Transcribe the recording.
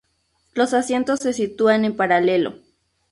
Los asientos se sitúan en paralelo.